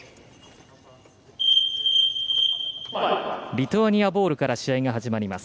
リトアニアボールから試合が始まります。